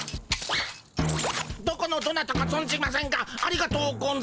どこのどなたかぞんじませんがありがとうゴンざいます。